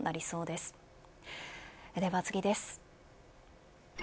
では次です。